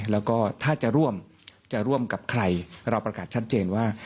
แล้วก็ถ้าจะร่วมจะร่วมกับใครเราประกาศชัดเจนว่า